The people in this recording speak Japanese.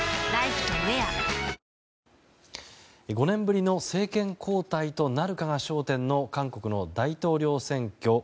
５年ぶりの政権交代となるかどうかが焦点の韓国の大統領選挙。